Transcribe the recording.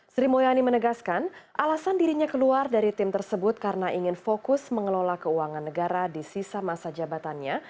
sri mulyani menegaskan alasan dirinya keluar dari tim tersebut karena ingin fokus mengelola keuangan negara di sisa masa jabatannya